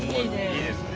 いいですね。